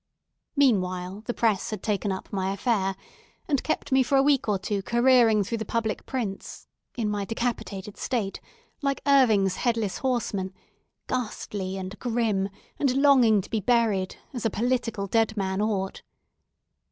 Meanwhile, the press had taken up my affair, and kept me for a week or two careering through the public prints, in my decapitated state, like Irving's Headless Horseman, ghastly and grim, and longing to be buried, as a political dead man ought.